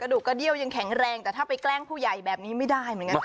ดูกระเดี้ยวยังแข็งแรงแต่ถ้าไปแกล้งผู้ใหญ่แบบนี้ไม่ได้เหมือนกันนะ